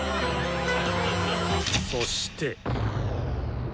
そして。